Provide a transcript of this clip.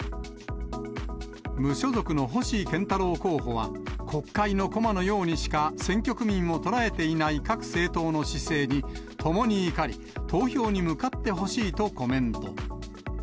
無所属の星健太郎候補は、国会の駒のようにしか選挙区民を捉えていない各政党の姿勢に、ともに怒り、投票に向かってほしいとコメント。